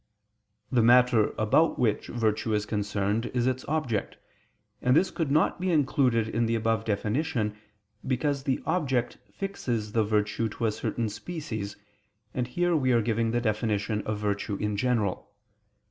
The matter about which virtue is concerned is its object, and this could not be included in the above definition, because the object fixes the virtue to a certain species, and here we are giving the definition of virtue in general.